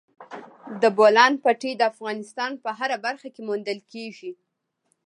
د بولان پټي د افغانستان په هره برخه کې موندل کېږي.